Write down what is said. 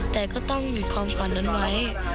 แต่ก็ต้องหยุดความฝันนั้นไว้